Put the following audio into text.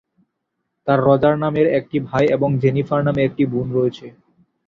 তার রজার নামের একটি ভাই এবং জেনিফার নামে একটি বোন রয়েছে।